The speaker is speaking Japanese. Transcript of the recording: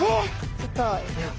ちょっと。